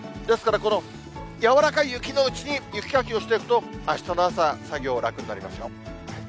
ですから、このやわらかい雪のうちに雪かきをしておくと、あしたの朝、作業楽になりますよ。